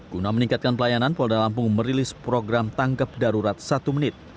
guna meningkatkan pelayanan polda lampung merilis program tangkap darurat satu menit